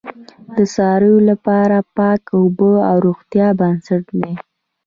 د څارویو لپاره پاک اوبه د روغتیا بنسټ دی.